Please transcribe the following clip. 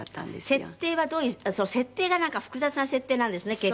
設定はどういうその設定がなんか複雑な設定なんですね結構。